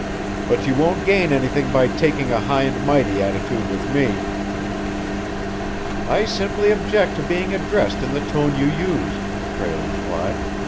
"But you won't gain anything by taking a high and mighty attitude with me." "I simply object to being addressed in the tone you used," Prale replied.